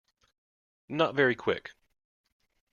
Not very quick.